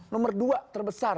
nomor dua terbesar